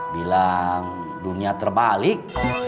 bilang dunia terbalik